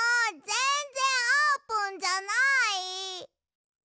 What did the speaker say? ぜんぜんあーぷんじゃない！